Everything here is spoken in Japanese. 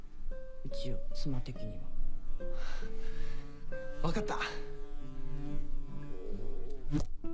一応妻的には。分かった。